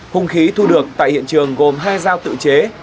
hùng khí thu được tại hiện trường gồm hai dao tự chế